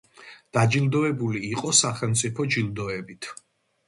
დაჯილდოებული იყო სახელმწიფო ჯილდოებით.